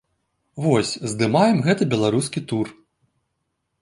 Вось, здымаем гэты беларускі тур.